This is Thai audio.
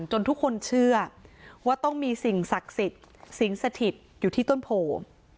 ทุกคนเชื่อว่าต้องมีสิ่งศักดิ์สิทธิ์สิงสถิตอยู่ที่ต้นโพ